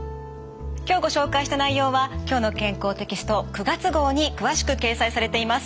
今日ご紹介した内容は「きょうの健康」テキスト９月号に詳しく掲載されています。